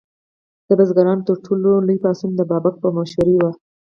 د بزګرانو تر ټولو لوی پاڅون د بابک په مشرۍ و.